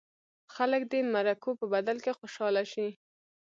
خلک دې د مرکو په بدل کې خوشاله شي.